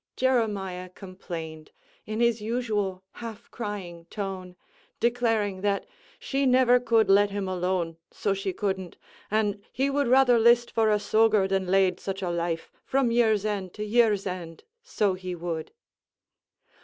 Jeremiah complained, in his usual half crying tone, declaring that "she never could let him alone, so she couldn't, and he would rather list for a soger than lade such a life, from year's end to year's end, so he would."